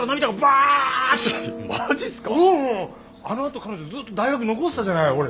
あのあと彼女ずっと大学残ってたじゃない。